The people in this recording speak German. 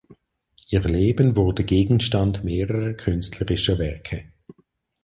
Ihr Leben wurde Gegenstand mehrerer künstlerischer Werke.